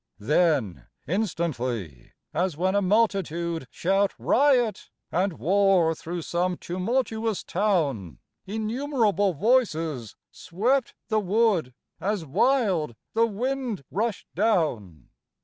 Then instantly, as when a multitude Shout riot and war through some tumultuous town, Innumerable voices swept the wood As wild the wind rushed down.